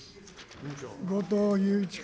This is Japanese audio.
後藤祐一君。